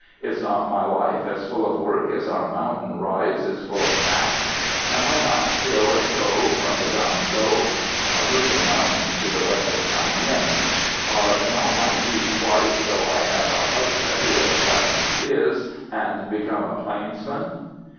Is not my life as full of work as our mountain rise is full of fat? Am I not still a tho from the Tam Dao? (a group of mountains to the west of Thaï Nguyen). Are not my teeth white, though I have a husband who has blackened his and become a plainsman?"